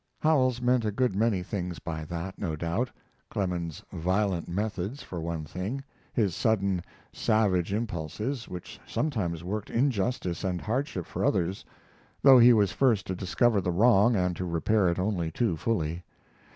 Howells meant a good many things by that, no doubt: Clemens's violent methods, for one thing, his sudden, savage impulses, which sometimes worked injustice and hardship for others, though he was first to discover the wrong and to repair it only too fully.